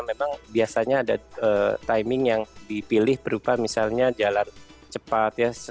memang biasanya ada timing yang dipilih berupa misalnya jalan cepat